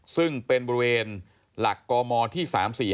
ซึ่งเป็นบริเวณหลักกมที่๓๔